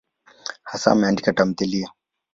Hasa ameandika tamthiliya.